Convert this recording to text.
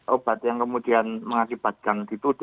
obat yang kemudian mengakibatkan dituduh